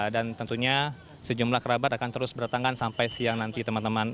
dan tentunya sejumlah kerabat akan terus bertanggan sampai siang nanti teman teman